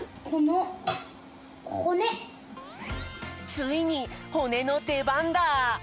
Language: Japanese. ついにほねのでばんだ！